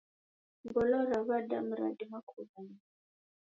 Ngolo ra wadamu radima kughaluswa.